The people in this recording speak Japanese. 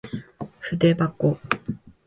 ふでばこ